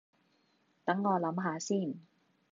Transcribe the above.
等我諗吓先